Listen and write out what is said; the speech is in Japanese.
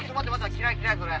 嫌い嫌いそれ」